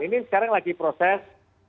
ini sekarang lagi proses